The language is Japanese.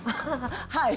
はい。